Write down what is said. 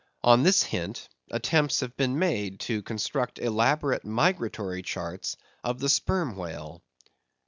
On this hint, attempts have been made to construct elaborate migratory charts of the sperm whale.